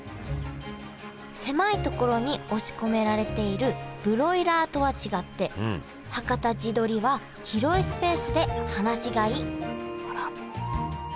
狭いところに押し込められているブロイラーとは違ってはかた地どりは広いスペースで放し飼いあら。